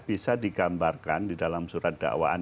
bisa digambarkan di dalam surat dakwaan